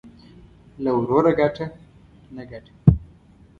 له وروره گټه ، نه گټه.